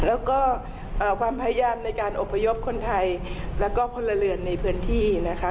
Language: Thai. แล้วก็ความพยายามในการอบพยพคนไทยแล้วก็พลเรือนในพื้นที่นะคะ